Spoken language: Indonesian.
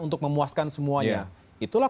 untuk memuaskan semuanya itulah